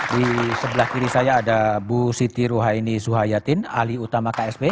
di sebelah kiri saya ada bu siti ruhaini zuhayatin alih utama ksp